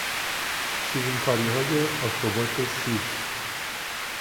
شیرینکاریهای آکروبات سیرک